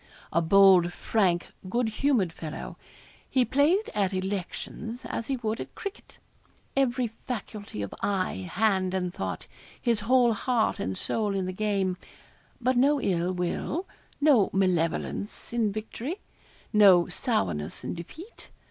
A bold, frank, good humoured fellow he played at elections as he would at cricket. Every faculty of eye, hand, and thought his whole heart and soul in the game. But no ill will no malevolence in victory no sourness in defeat.